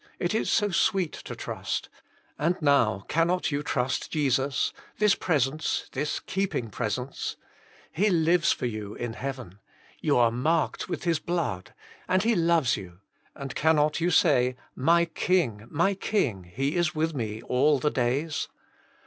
It is so sweet to trust. And now cannot you trust Jesus ; this pres ence, this keeping presence ? He lives for you in Heaven. You are marked with His blood, and he loves you; and cannot you say, '' My King, my King, He is with me all the days